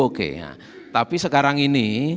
oke tapi sekarang ini